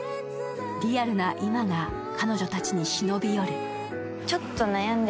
リアルな今が彼女たちに忍び寄る。